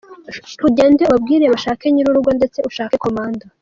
ugende ubabwire bashake nyiri urugo ndetse ushake komanda.